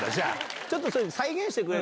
ちょっと、再現してくれる？